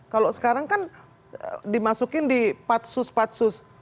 kalau sekarang kan dimasukin di patsus patsus